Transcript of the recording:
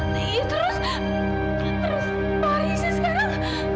terus terus pak harisnya sekarang